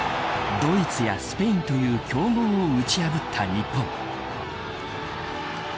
ドイツやスペインという強豪を打ち破った日本。